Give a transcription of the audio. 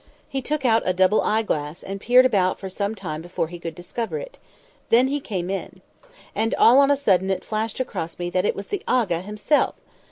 He took out a double eyeglass and peered about for some time before he could discover it. Then he came in. And, all on a sudden, it flashed across me that it was the Aga himself!